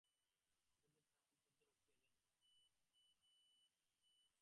সাথের লোকটা আমাদের ছদ্মবেশী এজেন্ট।